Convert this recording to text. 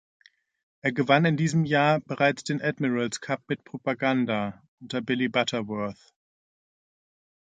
Er gewann in diesem Jahr bereits den Admiral’s Cup mit" Propaganda", unter Billy Butterworth.